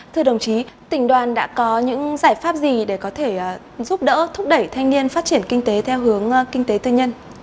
thưa đồng chí tỉnh đoàn đã có những giải pháp gì để có thể giúp đỡ thúc đẩy thanh niên phát triển kinh tế theo hướng kinh tế tư nhân